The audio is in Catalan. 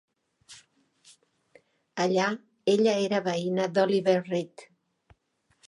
Allà, ella era veïna d'Oliver Reed.